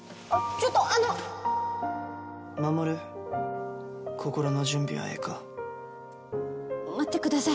ちょっとあのまもる心の準備はええか待ってください